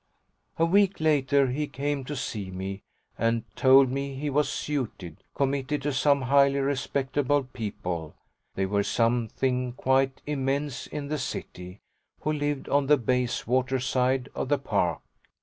A week later he came to see me and told me he was "suited," committed to some highly respectable people they were something quite immense in the City who lived on the Bayswater side of the Park.